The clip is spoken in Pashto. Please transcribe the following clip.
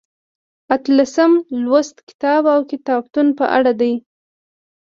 اتلسم لوست کتاب او کتابتون په اړه دی.